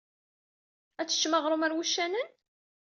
Ad teččem aɣrum ger wuccanen-a?